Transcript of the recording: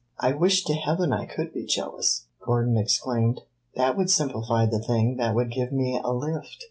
"I wish to heaven I could be jealous!" Gordon exclaimed. "That would simplify the thing that would give me a lift."